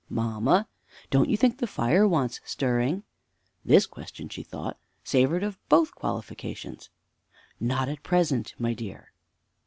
Fanny. Mamma, don't you think the fire wants stirring? (This question, she thought, savored of both qualifications.) Mother. Not at present, my dear.